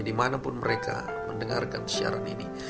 dimanapun mereka mendengarkan siaran ini